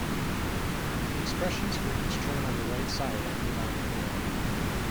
Expressions for each term on the right side are provided below.